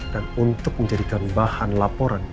dan untuk menjadikan bahan laporan